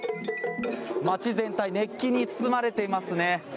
街全体熱気に包まれていますね。